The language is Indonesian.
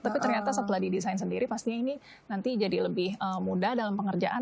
tapi ternyata setelah didesain sendiri pastinya ini nanti jadi lebih mudah dalam pengerjaan